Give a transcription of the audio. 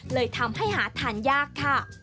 เลยทำให้หาทานยากค่ะ